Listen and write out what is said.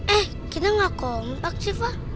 eh kita gak kompak sih pak